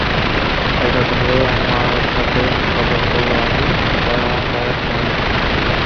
এটা ধরে, আমার সাথে সাথে বল আমি, পারাসুরাম।